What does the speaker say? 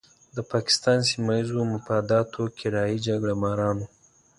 د پاکستان سیمه ییزو مفاداتو کرایي جګړه ماران وو.